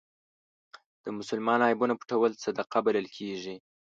د مسلمان عیبونه پټول صدقه بلل کېږي.